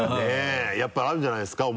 やっぱあるんじゃないですか？